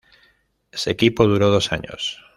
Ese equipo duró dos años.